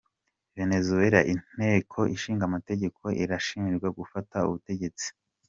Venezuela: Inteko nshingamategeko irashinjwa gufata ubutegetsi.